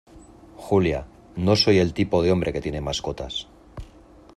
Julia, no soy el tipo de hombre que tiene mascotas.